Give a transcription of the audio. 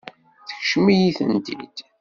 Tekksem-iyi-tent-id.